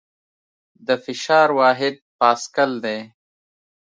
د فشار واحد پاسکل دی.